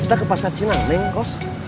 kita ke pasar cina neng kos